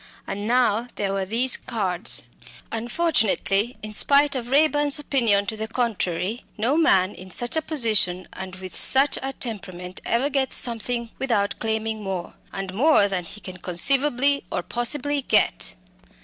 And now there were these cards. Unfortunately, in spite of Raeburn's opinion to the contrary, no man in such a position and with such a temperament ever gets something without claiming more and more than he can conceivably or possibly get.